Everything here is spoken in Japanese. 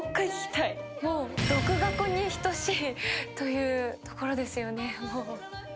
もう独学に等しいというところですよね。